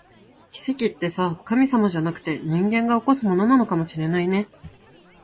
奇跡ってさ、神様じゃなくて、人間が起こすものなのかもしれないね